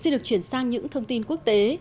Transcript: xin được chuyển sang những thông tin quốc tế